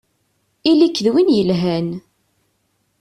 Ili-k d win yelhan!